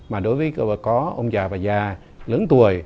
mà đối với bà có ông già và già lớn tuổi